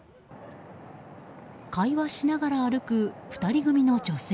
会話しながら歩く、２人組の女性。